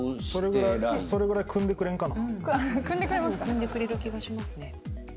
それぐらいくんでくれんかな。